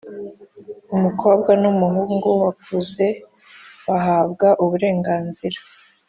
Umukobwa n’umuhungu bakuze bahabwa uburenganzira